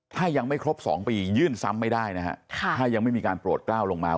ถ้ายังไม่ครบ๒ปียื่นซ้ำไม่ได้นะฮะถ้ายังไม่มีการโปรดกล้าวลงมา